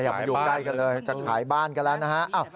มาอยู่ใกล้กันเลยจะขายบ้านกันแล้วนะฮะ